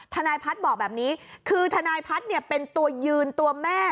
ทนายพัฒน์บอกแบบนี้คือทนายพัฒน์เป็นตัวยืนตัวแม่